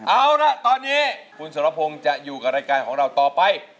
เอาละตอนนี้คุณสรพงศ์จะอยู่กับรายการของเราต่อไป